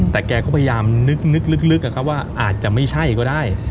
แต่แกก็พยายามนึกว่าอาจจะไม่ใช่ก็ได้